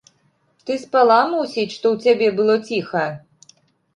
Ты спала, мусіць, што ў цябе было ціха?